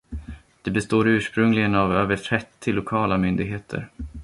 Det består ursprungligen av över trettio lokala myndigheter.